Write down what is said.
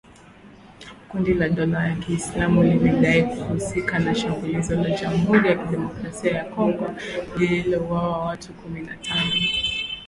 Kundi la dola ya Kiislamu limedai kuhusika na shambulizi la jamhuri ya kidemokrasia ya Kongo lililouwa watu kumi na tano